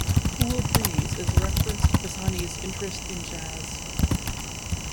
"Cool Breeze" is a reference to Pisani's interest in Jazz.